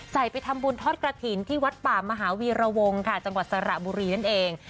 ไปทำบุญทอดกระถิ่นที่วัดป่ามหาวีรวงค่ะจังหวัดสระบุรีนั่นเอง